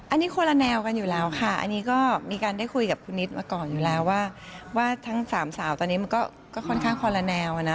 อันนี้คนละแนวกันอยู่แล้วค่ะอันนี้ก็มีการได้คุยกับคุณนิดมาก่อนอยู่แล้วว่าทั้งสามสาวตอนนี้มันก็ค่อนข้างคนละแนวนะ